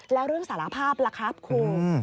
แล้วเรื่องสารภาพล่ะครับครู